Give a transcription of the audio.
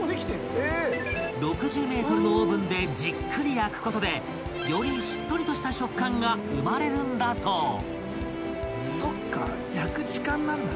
［６０ｍのオーブンでじっくり焼くことでよりしっとりとした食感が生まれるんだそう］